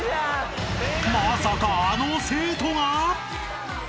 ［まさかあの生徒が！？］